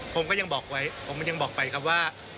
ผมก็ยังบอกไว้ผมยังบอกไปครับว่า